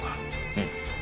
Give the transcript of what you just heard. うん。